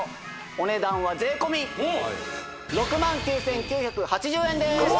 お値段は税込６９９８０円ですお！